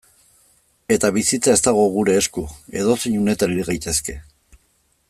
Eta bizitza ez dago gure esku, edozein unetan hil gaitezke.